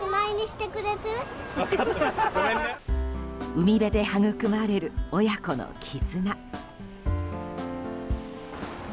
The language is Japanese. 海辺ではぐくまれる親子の絆。